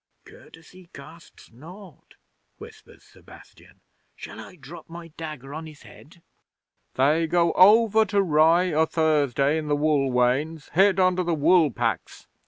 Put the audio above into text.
'"Courtesy costs naught," whispers Sebastian. "Shall I drop my dagger on his head?" '"They go over to Rye o' Thursday in the wool wains, hid under the wool packs.